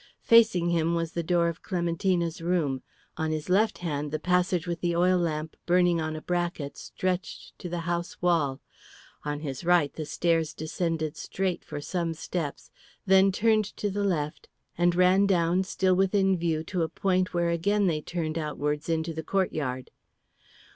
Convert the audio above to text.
Facing him was the door of Clementina's room, on his left hand the passage with the oil lamp burning on a bracket, stretched to the house wall; on his right the stairs descended straight for some steps, then turned to the left and ran down still within view to a point where again they turned outwards into the courtyard.